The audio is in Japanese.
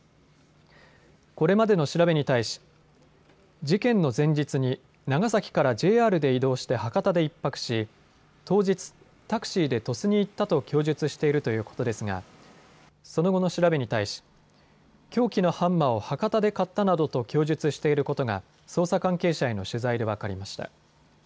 これまでの調べに対し、事件の前日に長崎からＪＲで移動して博多で１泊し当日、タクシーで鳥栖に行ったと供述しているということですがその後の調べに対し、凶器のハンマーを博多で買ったなどと供述していることが捜査関係者への取材で分かりました。